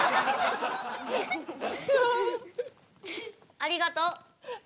ありがとう。